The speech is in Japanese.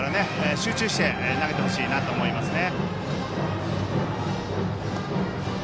集中して投げてほしいなと思いますね。